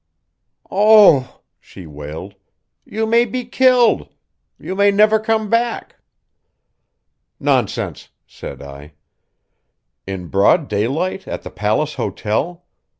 "Oh," she wailed; "you may be killed. You may never come back." "Nonsense," said I. "In broad daylight, at the Palace Hotel?